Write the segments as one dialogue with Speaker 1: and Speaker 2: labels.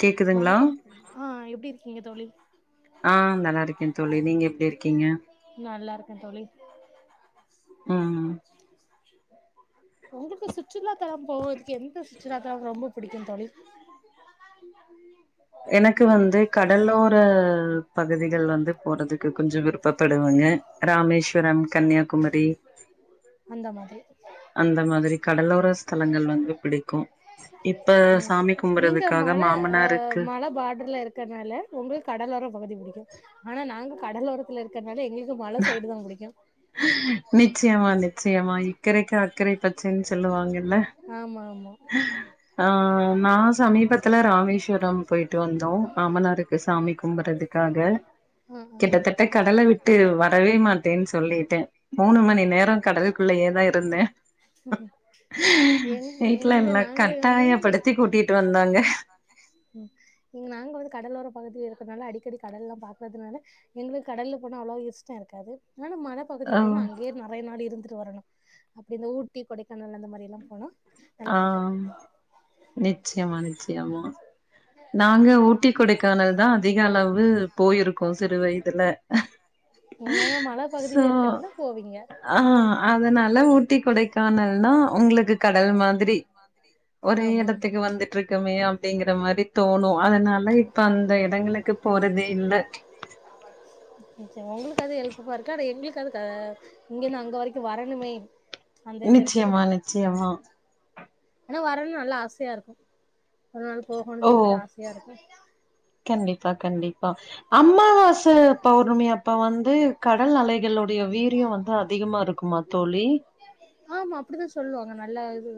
Speaker 1: கேக்குதுங்களா
Speaker 2: வணக்கம் ஆ எப்படி இருக்கீங்க தோழி
Speaker 1: ஆ நல்லாருக்கே தோழி நீங்க எப்டி இர்க்கீங்க
Speaker 2: நல்லாருக்கே தோழி
Speaker 1: ம்
Speaker 2: உங்கள்க்கு சுற்றுலா தலம் போவத்துக்கே எந்த சுற்றுலாத்தால் ரொம்ப புடிக்கு தோழி
Speaker 1: எனக்கு வந்து கடலோர பகுதிகள் ந்து போறதுக்கு கொஞ்சோ விருப்பப்படுவங்க ராமேஸ்வரம் கன்னியாகுமரி
Speaker 2: அந்த மாதிரி
Speaker 1: அந்த மாதிரி கடலோர ஸ்தலங்கள் வந்து பிடிக்கு இப்ப
Speaker 2: ம்
Speaker 1: சாமிக்
Speaker 2: நீங்க மல அ மல பாட்ருலர் கர்னால உங்கள் கடலர பகுதி புடிக்கு ஆனா நாங் கடலோரத்துல இருக்கற்னால எங்குள் அ மல சைடு தா புடிக்கு
Speaker 1: நிச்சயமா நிச்சயமா இக்கறைக்கு அக்கறை பச்சைன்னு சொல்லுவாங்கில்ல
Speaker 2: ஆமா ஆமா
Speaker 1: ஆ நா சமீபத்துல ராமேஷ்வரம் போய்ட்டு வந்தோ மாமனாருக்கு சாமி கும்புறதுக்காக ம்
Speaker 2: ஆ ஆ
Speaker 1: கிட்டத்தட்ட கடல்ல விட்டு வரவே மாட்டேன் சொல்லிட்டே மூணு மணி நேரோ கடலுக்குள்ளயே தா இருந்தே
Speaker 2: எங்
Speaker 1: வீட்டுல
Speaker 2: எங்க
Speaker 1: என்ன
Speaker 2: நாங்க
Speaker 1: கட்டாயப்படுத்தி கூட்டிட்டு வந்தாங்க
Speaker 2: ம் இங் நாங்க வந்து கடலோர பகுதியா இருக்குற்துனால அடிக்கடி கடலல்லாம் பாக்கதுனால எங்களுக்கு கடல போனோ அவ்ளோ இஷ்டம் இருக்காது ஆனாலூ மனஸ் பகுதி
Speaker 1: ஓ
Speaker 2: போனா அங்யே நெறைய நாள் இருந்துட்டு வரணு அப்டி இந்த ஊட்டி கொடைக்கானல் அந்த மாரி எல்லாம் போனா நல்லா புடிக்கு
Speaker 1: ஆம் நிச்யமா நிச்யமா நாங்க ஊட்டி கொடைக்கானல் தா அதிக அளவு போயிருக்கோ சிறு வய்துல
Speaker 2: ம் அங்க மல பகுதில இருக்கனாலா போவீங்க
Speaker 1: ஆ அதனால ஊட்டி கொடைக்கானல்னா உங்களுக்கு கடல் மாதிரி
Speaker 2: மத்துலி
Speaker 1: ஒரே இடத்துக்கு வந்துட்ருக்குமே அப்டிங்கற மாரி தோ பொனோ அதனால இப்ப அந்த எடங்களுக்கு போறதே இல்ல
Speaker 2: சரி உங்களுக்கு அது ஹெல்ப்புப்பா இருக்கா எங்களுக்கு அது சா இங்கன்னா அங்க வரைக்கு வரணுமே அந்த இது இருக்கு
Speaker 1: நிச்சயமா நிச்சயமா
Speaker 2: ஆனா வரன்னூ நல்லா ஆசையா இருக்கும் அதனால
Speaker 1: ஓ
Speaker 2: போகணும்னு சொல்லிட்டு ஆசையா இருக்கோ
Speaker 1: கண்டிப்பா கண்டிப்பா அம்மாவாச பௌர்ணமி அப்ப வந்து கடல் அலைகளுடைய வீரியோ வந்து அதிகமா இருக்குமா தோழி
Speaker 2: ஆமா அப்படித்தா சொல்லுவாங்க நல்ல இது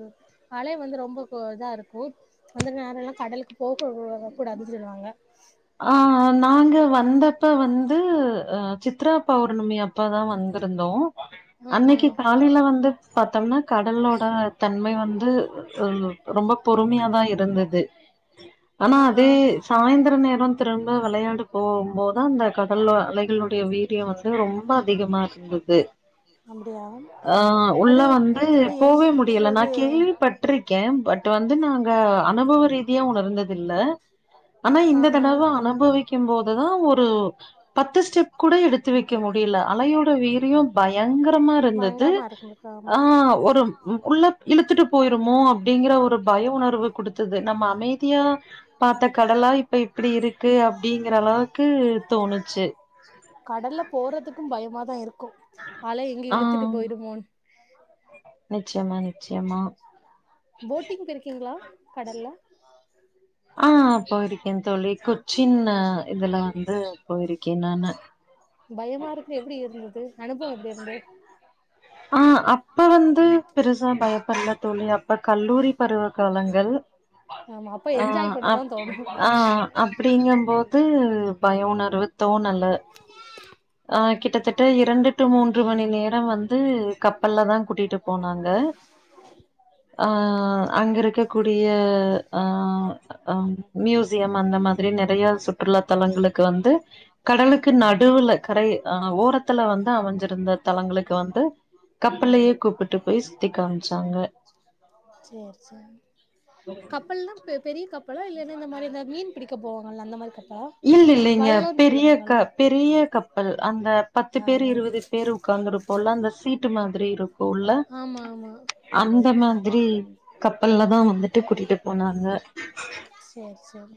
Speaker 2: பழைய வந்து ரொம்ப இதா இருக்கோ வந்துருங்க யாரல்லா கடலுக்கு போ [unintelligible] கூடாது சொல்லுவாங்க
Speaker 1: ஆ நாங்க வந்தப்ப வந்து அ சித்ரா பௌர்ணமி அப்ப தா வந்துருந்தோ
Speaker 2: ம்
Speaker 1: அன்னைக்கி
Speaker 2: ம்
Speaker 1: காலில வந்து பாத்தம்னா கடல் ஓட தன்மை வந்து ரொம்ப ரொம்ப பொறுமையாதா இருந்தது ஆனா
Speaker 2: ஆ ஆ
Speaker 1: அதெய் சாய்ந்த்ர நேர் ப்ரோ திரும்ப வெளையாடு போம்போதா அந்த கடல்லா அலைகளுடைய வீரியோ வந்து ரொம்ப அதிகமாக இருந்து துஅ
Speaker 2: அப்டியா
Speaker 1: உள்ள
Speaker 2: அது
Speaker 1: வந்து
Speaker 2: ஏய்,
Speaker 1: எப்பவே முடியல
Speaker 2: இது
Speaker 1: நான் கேள்விப்பட்ட ட்ரிக்கே பட் வந்து நாங்க அனுபவ ரீதியா உணர்ந்ததில்ல ஆனா
Speaker 2: ஆ
Speaker 1: இந்த
Speaker 2: ஆ
Speaker 1: தினமு அனுபவிக்கெம் போதுதா ஒரு பத்து ஸ்டெப் கூட எடுத்து வெக்க முடியல அலையோட வீரியோ பய பயங்கரமா இருந்தது
Speaker 2: பயங்கரமா இருக்கு ஆமா
Speaker 1: ஆ ஒரு உள்ள இழுத்துட்டு போயிருமோ அப்டிங்கிற ஒரு பய உணர்வு குடுத்தது நம்ம அமைதியா பாத்த கடலா இது இப்போ இப்டி இருக்கு அப்டிங்கிற அளவுக்கு தோணுச்சு
Speaker 2: கடல்ல போறதுக்கு பயமாத இருக்கு அலை எங்க
Speaker 1: ஆ
Speaker 2: இழுத்துட்டு போயிடுமோனு
Speaker 1: நிச்சயமா நிச்சயமா
Speaker 2: போட்டிங் போயிருருக்கீங்களா கடல்ல
Speaker 1: ஆ போயிருக்கே தோழி கொச்சின் இதுல வந்து போயிருக்கே நானு
Speaker 2: பயமா இருக்கு எப்டி இருந்தது அனுபவோ எப்டி இருந்தது
Speaker 1: ஆ அப்போ வந்து பெருசா பயப்படல தோழி அப்ப கல்லூரி பருவ காலங்கள்
Speaker 2: ஆமா அப்ப என்ஜாய் பண்ணதா தோணு
Speaker 1: அப்டிங்க போது பய உணர்வு தோனல ஆ கிட்டத்தட்ட இரண்டு டு மூன்று மணி நேரோ வந்து கப்பல்ல தா கூட்டிட்டு அ ஆ அங்க இருக்க கூடிய ஆ ஆ மியூசியம் அந்த மாதிரி நெறைய சுற்றுலா தலங்களுக்கு வந்து கடலுக்கு நடுவுல கரை ஆ ஓரத்துல வந்து அமைஞ்சிருந்த தலங்களுக்கு வந் ட்டு கப்பல்லயே கூப்புட்டு போய் சுத்தி காம்ச்சாங்க
Speaker 2: சேரி சேரி கப் கப்பல்லா பெ பெரிய கப்பல்லா இல்லேன்னா இந்த மாரி இந்த மீன் புடிக்க போவாங்கல்ல அந்த மாரி கப்
Speaker 1: இல்ல இல்லேங்க பெரிய கப் பெரிய கப்பல் அந்த பத்து
Speaker 2: ஆ
Speaker 1: பேர் இருவது பேர் உக்காந்து இருப்போல அந்த சீட்டு மாதிரி இருக்
Speaker 2: ஆமா ஆமா
Speaker 1: அந்த மாதரி கப்பல்ல தா வந்துட்டு கூட்டிட்டு போனாங்க
Speaker 2: சேரி சேரி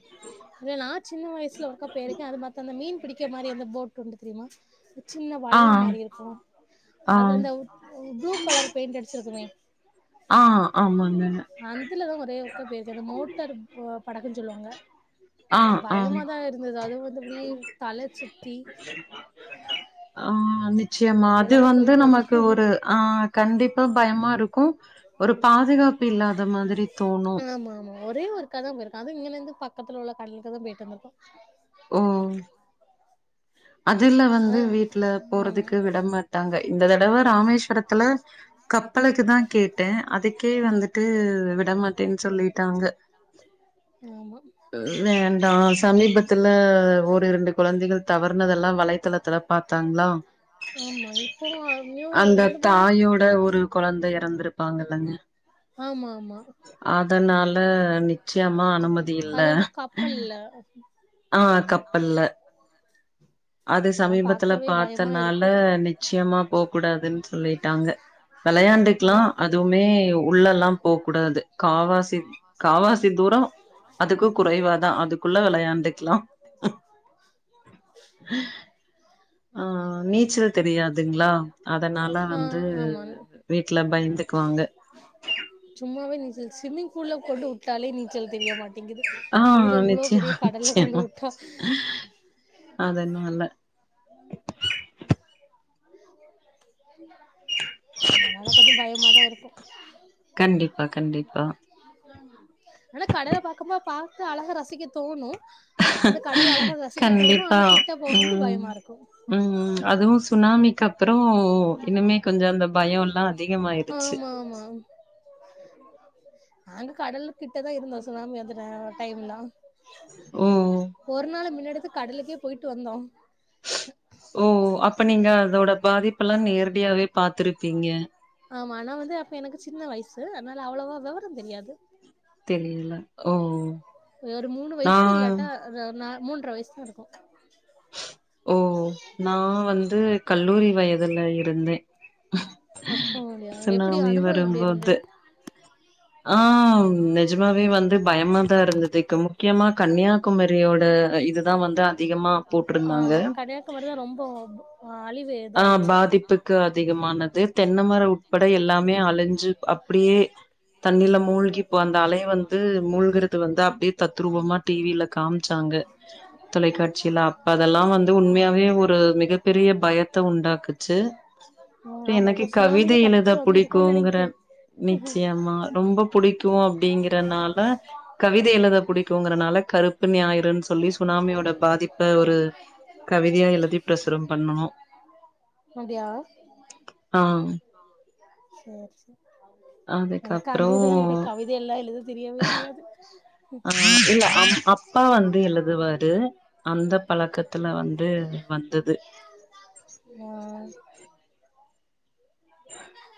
Speaker 2: இல்ல நா சின்ன வயசுல ஒர்க்கா போயிருக்கே அது மாத் அந்த மீன் பிடிக்க மாரி எந்த போட் உண்டு தெரியுமா சின்ன
Speaker 1: ஆ
Speaker 2: வள்ளோ மாரி இருக்கு
Speaker 1: ஆ
Speaker 2: அதுல இந்த ப்ளூ கலர் பெயிண்ட் அடுச்சுருக்குமே
Speaker 1: ஆ ஆமாங்க
Speaker 2: அந்துலதா ஒரே ஒர்க்கா போய்ருக்கே அந்த மோட்டார் ம் படக்குன்னு சொல்லுங்க
Speaker 1: ஆ ஆ
Speaker 2: பயமாத இருந்தது அதுவு வந்து எப்டி தல சுத்தி
Speaker 1: ஆ நிச்சயமா
Speaker 2: எப்டி
Speaker 1: அது
Speaker 2: எல்லாமோ
Speaker 1: வந்து
Speaker 2: போயிட்டு
Speaker 1: நமக்கு
Speaker 2: வந்துருக்கோ
Speaker 1: ஒரு ஆ கண்டிப்பா பயமா இருக்கும். ஒரு பாதுகாப்பு இல்லாத மாதிரி தோணும்.
Speaker 2: ஆமா ஆமா ஒரே ஒருக்காதா போயிருக்க அது இங்கனர்ந்து பக்கத்து உள்ள கட்லுக்குதா போயிட்டு வந்துருக்கோ
Speaker 1: ஓ அதுல
Speaker 2: ஆ
Speaker 1: வந்து வீட்டுல
Speaker 2: ஆமா
Speaker 1: போறதுக்கு விடமாட்டாங்க இந்த தடவ ராமேஸ்வரத்துல கப் ப்பளக்குதா கேட்டே அதுக்கே வந்துட்டு விடமாட்டேன்னு சொல்லிட்டாங்க
Speaker 2: ஆமா
Speaker 1: வேண்டா சமீபத்துல ஒரு இரண்டு குழந்தைகள் தவருனதெல்லா வலைத்தளத்துல பாத்தாங்ளா
Speaker 2: ஆமா இப்போ நியூ
Speaker 1: அந்த
Speaker 2: ரெண்டு மூணு
Speaker 1: தாயோட ஒரு கொழந்தை இறந்துருப்பாங்கலங்க
Speaker 2: ஆமா ஆமா
Speaker 1: அதனால அது நிச்சயமா நம்மது இல்ல
Speaker 2: அது அந்த
Speaker 1: அனுமதி இல்ல
Speaker 2: கப்பல்ல
Speaker 1: ஆ கப்பல்ல அது
Speaker 2: அதெல்லா
Speaker 1: சமீபத்துல
Speaker 2: பாக்கவே பயமா இருக்கு
Speaker 1: பாத்தனால நிச்சயமா போக்கூடாதுன் சொல்லிட்டாங்க வெளையாண்டுக்லா
Speaker 2: அதெல்லா
Speaker 1: அதுவுமே உ உள்ளெல்லா போக் கூடாது கால்வாசி காவாசி தூரோ அதுக்கு குறைவாதா அதுக் குள்ள வெளாயாண்டுக்லா [inaudible] ஆ நீச்சல் தெரியாதுங்ளா அதனால
Speaker 2: அதுக்குள்ள நம்ம எறந்துக்கலா
Speaker 1: வந்து
Speaker 2: ஆ ஆமா
Speaker 1: வீட்ல பயந்துக்குவாங்க
Speaker 2: சும்மாவே நீச்சல் ஸ்விம்மிங் ஃபூல்ல கொண்டு டாலே நீச்சல் தெரிய மாட்டிங்கிது
Speaker 1: ஆ
Speaker 2: இதுல இவ்ளோ பெரிய
Speaker 1: நிச்சயமா
Speaker 2: கடல்ல
Speaker 1: நிச்சயமா
Speaker 2: கொண்டுவுட்டா
Speaker 1: அதனால
Speaker 2: [inaudible] அதனால கொஞ்சோ பயமாதா இருக்கு
Speaker 1: கண்டிப்பா கண்டிப்பா
Speaker 2: அத்னால கடல பாக்கும்போ பாத்து அழக ரசிக்க தோணு அந்த கடல் அழக ரசிக்கத்தோணு
Speaker 1: கண்டிப்பா
Speaker 2: ஆனா கிட்ட போகும்போ
Speaker 1: ம்
Speaker 2: பயமா இருக்கு
Speaker 1: ம் அதுவு சுனாமிக்கப்பறோ இன்னுமே கொஞ்சோ அந்த பயோல்லா அதிகமாய்ருச்சு
Speaker 2: ஆம் நாங்க கடலு கிட்டதா இருந்தோ சுனாமி வந்த நே டைம்லில்லா
Speaker 1: ஓ
Speaker 2: ஒரு நாளு முன்னெடுத்து கடலுக்கே போய்ட்டு வந்தோ
Speaker 1: ஓ அப்ப நீங்க அதோட பாதிப்புலாம் நேரடியாவே பாத்திருப்
Speaker 2: ஆமா நா வந்து அப்ப எனக்கு சின்ன வய்சு அத்னால அவ்ளவா வெவரந்தெரியாது
Speaker 1: தெரியில
Speaker 2: ஒரு மூணு வயசு இல்லட்டா த நா மூன்ற வயசு இருக்கு
Speaker 1: ஓ நா வந்து கல்லூரி வயதுல இருந்தே
Speaker 2: அப்போ எப்டி
Speaker 1: சுனாமி
Speaker 2: அனுபவோ எப்டி இருந்து
Speaker 1: வரும்போது ஆ நெஜமாவே வந்து பயமாதா இருந்ததுக்கு முக்கியமா கன்னியாகுமரியோட இதுதா வந்து அதிகமா போட்ருந்தாங்க
Speaker 2: ஒரே ரொம்ப ஓப் ஆலிவ் வேர்
Speaker 1: ஆ பாதிப்புக்கு அதிகமானது தென்னமரோ உட்பட எல்லாமே அழிஞ்சு அப்பிடியே தண்ணீல மூழ்கி இப்ப அந்த அலைய வந்து மூழ்கறது வந்து அப்டியே தத்ரூபமா டீவில காம்ச்சாங்க தொலைக்காட்சில அப்ப அதெல்லாம் வந்து உண்மையாவே ஒரு மிகப்பெரிய பயம் த்த உண்டாக்குச்சு
Speaker 2: ம்
Speaker 1: ரி
Speaker 2: ஆமா
Speaker 1: எனக்கு
Speaker 2: ஏதோ
Speaker 1: கவித
Speaker 2: சுனாமில
Speaker 1: எழுத
Speaker 2: தப்பிச்சு வந்து இருக்கோன்னு
Speaker 1: புடிக்குங்கற
Speaker 2: நெனைக்கே
Speaker 1: நிச்சியமா ரொம்ப புடிக்கும் அப்டிங்றனால கவித எழுத புடிக்குங்கறனால கருப்பு ஞாயிறுன் சொல்லி சுனாமியோட பாதிப்ப ஒரு கவிதையா எழுதி ப்ரசுரம் பண்ணோ
Speaker 2: அப்டியா
Speaker 1: ஆ
Speaker 2: சேர் சேர் எனக்கு அந்த
Speaker 1: அதுக்கப்றோ
Speaker 2: இதெல்லாங்கூட கவில் இதெல்லா எழுத தெரியவே தெரியாது
Speaker 1: ஆ [inaudible] என் அப் அப்பா வந்து எழுதுவாரு அந்த பழக்கத்தில வந்து வந்தது
Speaker 2: ஆ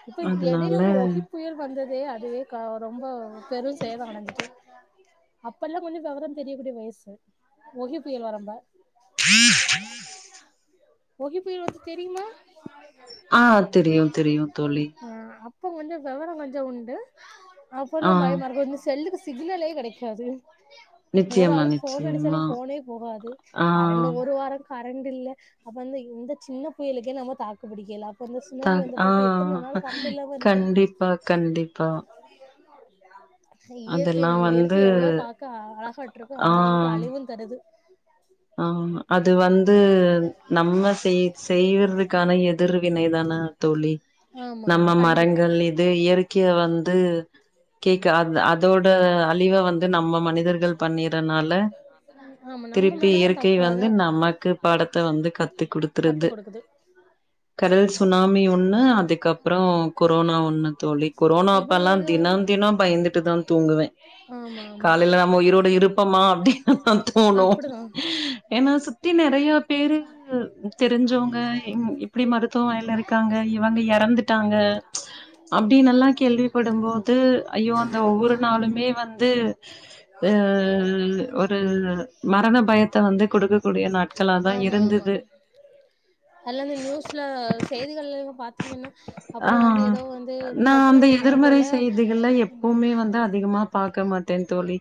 Speaker 2: இப்ப எடைல
Speaker 1: அதனால
Speaker 2: ஒரு ஒகிப்புயல் வந்ததே அதுவே கா ரொம்ப பெரூ சேதமடஞ்சிட்டு அப்பல்லாம் கொஞ்சோம் வெவரம் தெரியக் கூடிய வயசு ஒஹி புயல் வரப்ப
Speaker 1: [unintelligible]
Speaker 2: ஒகி புயல் வர்து தெரியுமா
Speaker 1: ஆ தெரியு தெரியு தோழி
Speaker 2: இப்ப கொஞ்சம் விவரம் கொஞ்சம் உண்டு
Speaker 1: ஆ
Speaker 2: அப்போலாம் பயமாக இருக்கு உங்க செல்லுக்கு ஸ் சிக்னலே கெடைக்காது ஒரு
Speaker 1: நிச்சயமா
Speaker 2: ஆளுக் ஃபோன் அடிச்சாலு
Speaker 1: நிச்சயமா
Speaker 2: ஃபோனே போகாது
Speaker 1: ஆ
Speaker 2: கரண்டு ஒரு வாரோ கரண்டுல்ல அப்ப வந்து இந்த சின்ன புயலுக்கே நம்ப தாக்கு புடிக்கல அப்பந்து
Speaker 1: த
Speaker 2: இல்லாம இருந்தப்போ
Speaker 1: ஆ
Speaker 2: அப்போ எத்தன நாள் கரண்டு இல்லாம இருந்திருக்கு
Speaker 1: கண்டிப்பா கண்டிப்பா
Speaker 2: இயற்கை
Speaker 1: அதெல்லா
Speaker 2: நம்ம
Speaker 1: வந்து
Speaker 2: இயற்கை எவ்ளோ பாக்க அழகாட்ருக்கோ அந்த அளவுக்கு அழிவு தருது
Speaker 1: ஆமா அது வந்து நம்ம செய் செய்றதுக்கான எதிர்வினைதான தோழி
Speaker 2: ஆமா
Speaker 1: நம்ம
Speaker 2: ஆமா கண்டிப்பா
Speaker 1: மரங்கள் இது இயற்கய வந்து கேக்க அத் அதோட அழிவ வந்து நம்ம மனிதர்கள் பண்ணிறத்னால
Speaker 2: ஆமா நம்ம
Speaker 1: திருப் இப்பி
Speaker 2: மேலதா
Speaker 1: இயற்கை
Speaker 2: தப்பு
Speaker 1: வந்து
Speaker 2: அத
Speaker 1: நமக்கு பாடத்த வந்து கத்து
Speaker 2: கத்து
Speaker 1: குடுத்துருது
Speaker 2: குடுக்குது
Speaker 1: கடல் சுனாமி ஒன்னு அதுக்கப்றோ கொரோனா ஒன்னு தோழி கொரோனா
Speaker 2: இவ
Speaker 1: அப்பல்லா
Speaker 2: எது வந்து
Speaker 1: தினம் தினோ பயந்துட்டுதா தூங்குவே
Speaker 2: ஆமா ஆமா
Speaker 1: காலைல நம்ம உயிரோட இருப்பமா அப்டினுதா தோணூ
Speaker 2: அப்டிதா
Speaker 1: ஏனா சுத்தி ந நறைய பேரு தெரிஞ்சோங்க இங் இப்டி மருத்துவ வாயில இருக்காங்க இவங்க எறந்துட் ட்டாங்க அப்டினல்லா கேள்விப்படுபோது ஐயோ அந்த ஒவ்வொரு நாளுமே வந்து இப்ப ஒரு மரண பயத்த வந்து குடுக்ககூடிய நாட் ச்சலாதா இருந்தது
Speaker 2: ஹலோ அந்த நியூஸ்ல செய்திகள்லல்லா பாத்தீங்கன்னா
Speaker 1: ஆ
Speaker 2: அப்டி வந்து ஏதோ வந்து
Speaker 1: நா
Speaker 2: பொட்டலோ
Speaker 1: வந்து
Speaker 2: கட்டின
Speaker 1: எதிர்மறை
Speaker 2: போல
Speaker 1: செய்திகள்ல எப்புவுமே வந்து அதிகமா பாக்க மாட்ட தோழி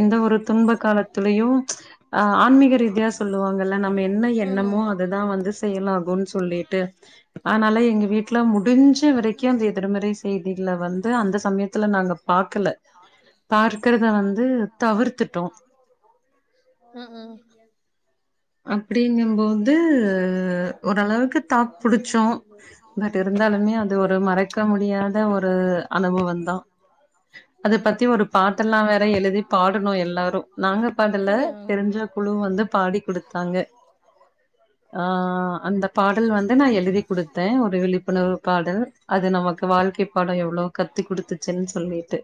Speaker 1: எந்த ஒரு துன்ப காலத்துலயு அ ஆன்மிக ரீதியா சொல்லுவாங்கல்ல நம்ம என்ன
Speaker 2: ஆமா
Speaker 1: எண்ணமோ
Speaker 2: ஆமா
Speaker 1: அதுதா வந்து செயலாகூன் சொல்லிட்டு அனால எங்க வீட்ல முடிஞ்சவரைக்கு அந்த எதிர்மறை செய்திகள வந் த்து அந்த சமயத்துல நாங்க பாக்கல பார்க்குறத வந்து தவிர்த்துட்டோ
Speaker 2: ம்
Speaker 1: அப்டிங்கபோது ஓரளவுக்கு தாக் புடிச்சோ பட் இருந்தாலுமே அது ஒரு மறக்க முடியாத ஒரு அனுபவோ தா அத பத்தி ஒரு பாட்டெல்லா வேற எழுதி பாடனோ எல்லாரோ நாங்க பாடல
Speaker 2: அப்டியா
Speaker 1: தெரிஞ்ச குழு வந்து பாடி குடுத்தாங்க ஆ அந்த பாடல் வந்து நா எழுதி குடுத்தே ஒரு விழிப்புணர்வு பாடல் அது நமக்கு வாழ்க்கை பாடோ எவ்ளோ கத்து குடுத்துச்சின் சொல்லிட்டு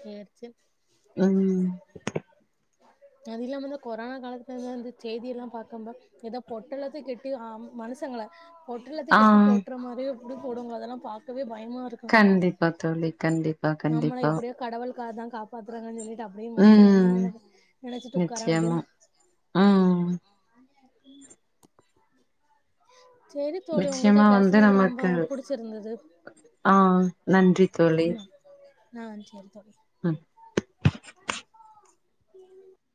Speaker 2: சேரி சேரி
Speaker 1: ம்
Speaker 2: அது இல்லாம இந்த கொரானா காலத்துலா இருந்து சேதிலா பாக்கம்ப்ப ஏதோ பொட்டலத்த கெட்டி ஆம் மனுசங்கள பொட்டலத்த
Speaker 1: ஆ
Speaker 2: கெட்டி போட்ற மாரியே அப்டியே போடுவாங்க அதெல்லா பாக்கவே பயமாருக்கு
Speaker 1: கண்டிப்பா தோழி கண்டிப்பா கண்டிப்பா
Speaker 2: கடவள்காதா காப்பாத்றாங்கான் சொல்லிட்டு அப்டியே மனசுல நின்னு
Speaker 1: ம்
Speaker 2: நெனச்சே நனச்சிட்டு
Speaker 1: நிச்சயமா
Speaker 2: ஒக்காரவேண்டியதா
Speaker 1: ம்
Speaker 2: அன்லக்கி சேரி தோழி உங்கள்ட்ட
Speaker 1: நிச்சயமா வந்து
Speaker 2: பேச்னது ரொம்ப
Speaker 1: நமக்கு
Speaker 2: புடிச்சிருந்தது
Speaker 1: ஆ நன்றி தோழி
Speaker 2: நான் அ செரி தோழி
Speaker 1: ம்
Speaker 2: [unintelligible]